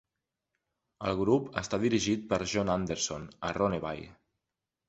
El grup està dirigit per John Andersson a Ronneby.